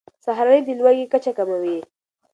سهارنۍ د لوږې کچه کموي.